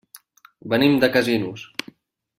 Venim de Casinos.